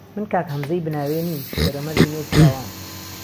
من کاک هەمزهی بناوێ نیم شێرهمهردی نێو پیاوان